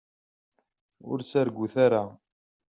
Ur ttargumt ara.